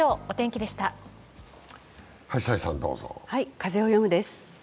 「風をよむ」です。